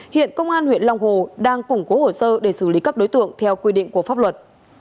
hiện công an huyện long hồ đang củng cố hồ sơ để xử lý các đối tượng theo quy định của pháp luật